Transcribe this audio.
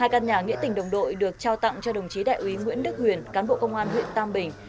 hai căn nhà nghĩa tình đồng đội được trao tặng cho đồng chí đại úy nguyễn đức huyền cán bộ công an huyện tam bình